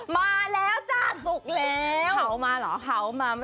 ไม่ใช่คือเขาของตังโม